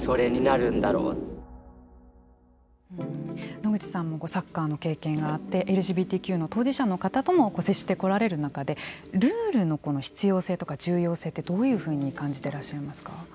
野口さんもサッカーの経験があってＬＧＢＴＱの当事者の方とも接してこられる中でルールの必要性とか重要性ってどういうふうに感じていらっしゃいますか。